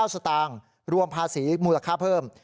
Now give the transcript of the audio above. สตางค์รวมภาษีมูลค่าเพิ่ม